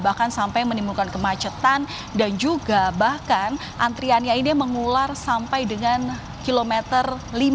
bahkan sampai menimbulkan kemacetan dan juga bahkan antriannya ini mengular sampai dengan kilometer lima puluh